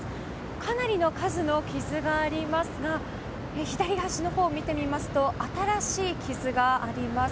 かなりの数の傷がありますが左端のほうを見てみますと新しい傷があります。